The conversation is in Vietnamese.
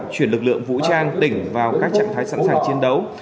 chuyển lực lượng vũ trang tỉnh vào các trạng thái sẵn sàng chiến đấu